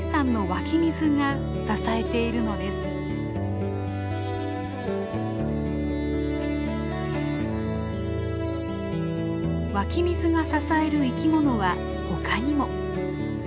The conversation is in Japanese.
湧き水が支える生き物は他にも。